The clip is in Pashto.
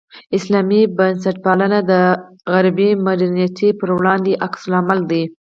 اسلامي بنسټپالنه د غربي مډرنیتې پر وړاندې عکس العمل دی.